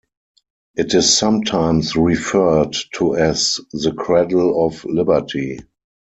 It is sometimes referred to as "the Cradle of Liberty".